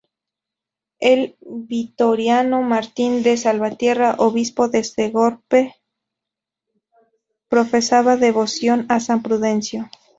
El vitoriano Martín de Salvatierra, obispo de Segorbe, profesaba devoción a san Prudencio.